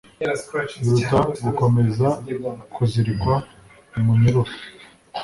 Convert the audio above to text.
Biruta gukomeza kuzirikwa mu munyururu